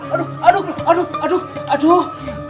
aduh aduh aduh aduh aduh